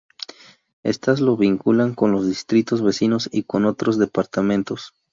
Estas lo vinculan con los distritos vecinos, y con otros departamentos.